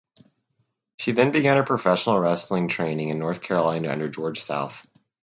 She then began her professional wrestling training in North Carolina under George South.